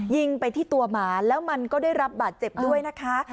ยิงไปที่ตัวหมาแล้วมันก็ได้รับบาดเจ็บด้วยนะคะ